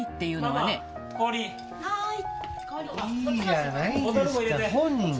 はい。